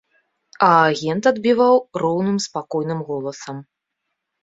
А агент адбіваў роўным спакойным голасам.